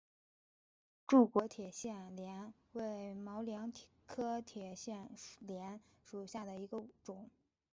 柱果铁线莲为毛茛科铁线莲属下的一个种。